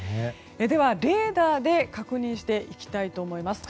では、レーダーで確認していきたいと思います。